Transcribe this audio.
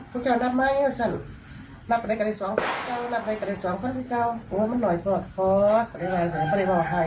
ต้องฟังความในมุมของฝ่ายชายด้วยนะ